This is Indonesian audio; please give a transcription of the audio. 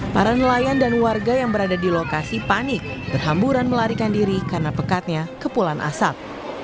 para nelayan dan warga yang berada di lokasi panik berhamburan melarikan diri karena pekatnya kepulan asap